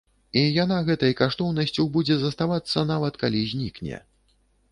І яна гэтай каштоўнасцю будзе заставацца, нават калі знікне.